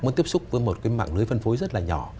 muốn tiếp xúc với một cái mạng lưới phân phối rất là nhỏ